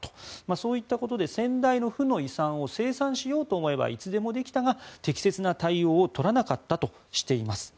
そういったことで先代の負の遺産を清算しようと思えばいつでもできたが、適切な対応を取らなかったとしています。